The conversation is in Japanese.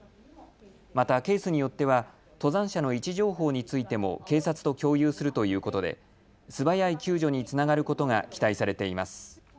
またケースによっては登山者の位置情報についても警察と共有するということで素早い救助につながることが期待されています。